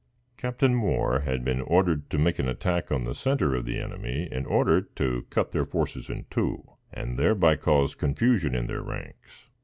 Captain Moore had been ordered to make an attack on the centre of the enemy, in order to cut their forces in two, and thereby cause confusion in their ranks.